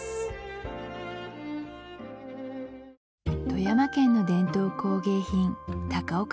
富山県の伝統工芸品